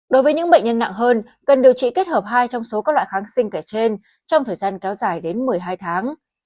đối với những bệnh nhân nặng hơn cần điều trị kết hợp hai trong số các loại kháng sinh kể trên trong thời gian kéo dài đến một mươi hai tháng